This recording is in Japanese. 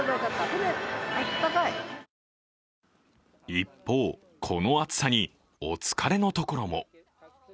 一方、この暑さにお疲れのところも。